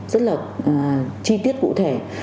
rất là chi tiết cụ thể